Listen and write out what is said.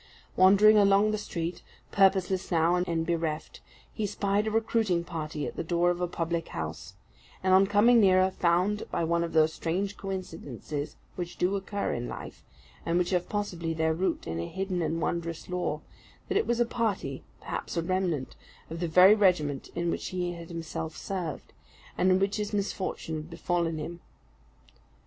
Wandering along the street, purposeless now and bereft, he spied a recruiting party at the door of a public house; and on coming nearer, found, by one of those strange coincidences which do occur in life, and which have possibly their root in a hidden and wondrous law, that it was a party, perhaps a remnant, of the very regiment in which he had himself served, and in which his misfortune had befallen him.